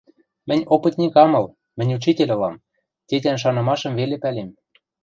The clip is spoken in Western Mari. — Мӹнь опытник ам ыл, мӹнь учитель ылам, тетян шанымашым веле пӓлем.